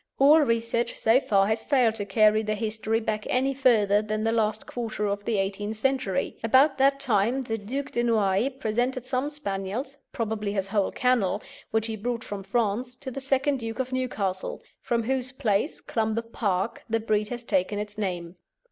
All research so far has failed to carry their history back any further than the last quarter of the eighteenth century. About that time the Duc de Noailles presented some Spaniels, probably his whole kennel, which he brought from France, to the second Duke of Newcastle, from whose place, Clumber Park, the breed has taken its name.